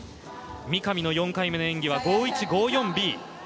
三上の４回目の演技は５１５４Ｂ。